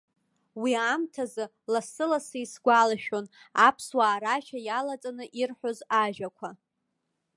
Уи аамҭазы лассы-лассы исгәалашәон аԥсуаа рашәа иалаҵаны ирҳәоз ажәақәа.